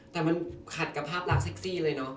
แต่มันขัดกับภาพลักษณ์เซ็กซี่เลยเนาะ